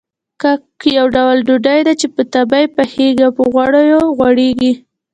کاک يو ډول ډوډۍ ده چې په تبۍ پخېږي او په غوړيو غوړېږي.